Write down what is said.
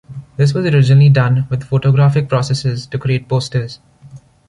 This was originally done with photographic processes to create posters.